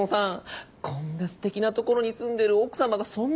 こんな素敵な所に住んでる奥様がそんな事。